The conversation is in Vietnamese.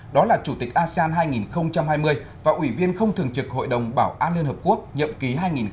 đó là chủ tịch asean hai nghìn hai mươi và ủy viên không thường trực hội đồng bảo an liên hợp quốc nhậm ký hai nghìn hai mươi hai nghìn hai mươi một